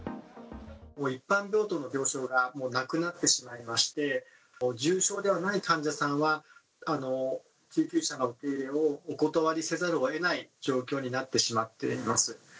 一般病棟の病床がもうなくなってしまいまして、重症ではない患者さんは、救急車の受け入れをお断りせざるをえない状況になってしまっています。